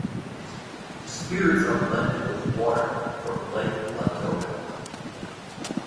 The spirits are blended with water from Lake Ladoga.